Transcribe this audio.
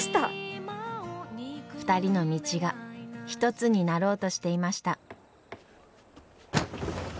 ２人の道が一つになろうとしていました。